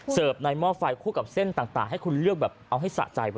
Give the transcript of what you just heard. ในหม้อไฟคู่กับเส้นต่างให้คุณเลือกแบบเอาให้สะใจ